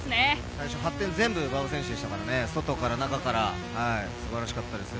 最初８点、全部馬場選手でしたからね、外から中から素晴らしかったです。